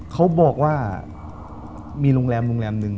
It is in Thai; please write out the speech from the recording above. ก็บอกไปเถอะว่าอุดอน